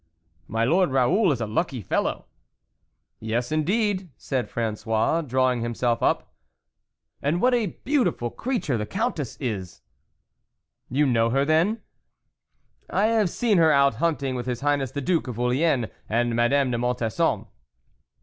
" My Lord Raoul is a lucky fellow !"" Yes indeed," said Fra^ois, drawing himself up. " And what a beautiful creature the Countess is !"' You know her then ?"" I have seen her out hunting with his Highness the Duke of Orleans and Madame de Montesson."